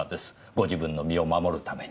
ご自分の身を守るために。